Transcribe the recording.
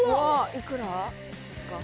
いくらですか？